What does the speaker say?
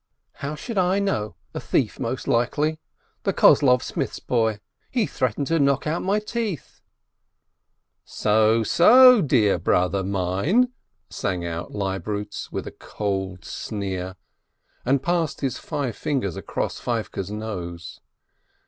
554 BERKOWITZ "How should I know? A thief most likely. The Kozlov smith's boy. He threatened to knock out my teeth." "So, so, dear brother mine !" sang out Leibnitz, with a cold sneer, and passed his five fingers across Feivke's nose.